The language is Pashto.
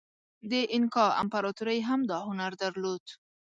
د اینکا امپراتورۍ هم دا هنر درلود.